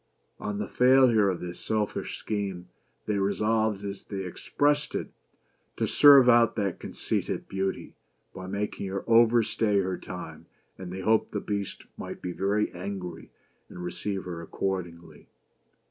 On the failure of this selfish scheme, they resolved, as they expressed it, " to serve out that conceited Beauty," by making her overstay her time ; and they hoped the Beast might be very angry and receive her accordingly.